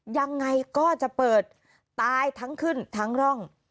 ยังไงก็จะเปิดตายทั้งขึ้นทั้งร่อง